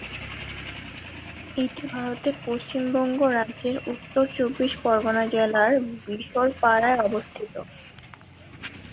এটি ভারতের পশ্চিমবঙ্গ রাজ্যের উত্তর চব্বিশ পরগণা জেলার বিশরপাড়ায় অবস্থিত।